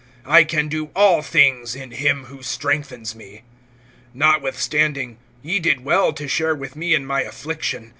(13)I can do all things, in him who strengthens me. (14)Notwithstanding, ye did well to share with me in my affliction.